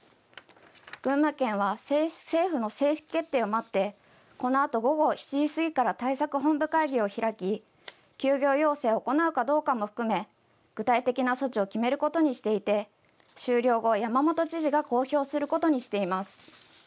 群馬県は政府の正式決定を待ってこのあと午後７時過ぎから対策本部会議を開き休業要請を行うかどうかも含め具体的な措置を決めることにしていて、終了後、山本知事が公表することにしています。